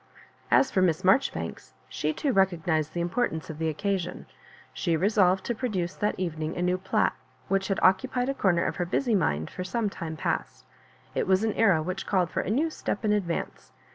As for Miss Marjoribanks, she too recognised the importance of the occasion. She resolved to produce that evening a new plat, which had occupied a corner of her busy mind for some time past. It was an era which called for a new step in advance.